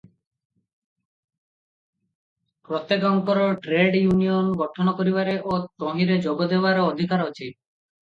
ପ୍ରତ୍ୟେକଙ୍କର trade union ଗଠନ କରିବାରେ ଓ ତହିଁରେ ଯୋଗଦେବାର ଅଧିକାର ଅଛି ।